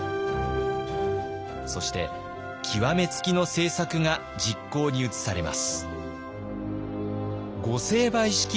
そして極め付きの政策が実行に移されます。